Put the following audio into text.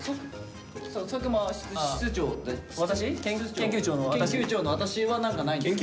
「研究長の私」は何かないんですか？